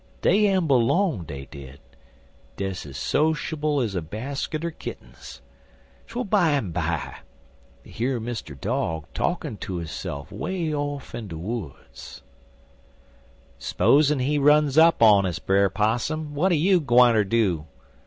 Dey amble long, dey did, des ez sociable ez a basket er kittens, twel bimeby dey hear Mr. Dog talkin' ter hisse'f way off in de woods. "'Spozen he runs up on us, Brer Possum, w'at you gwineter do?'